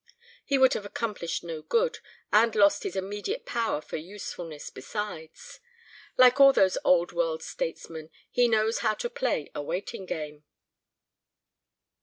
He would have accomplished no good, and lost his immediate power for usefulness besides. Like all those old world statesmen, he knows how to play a waiting game."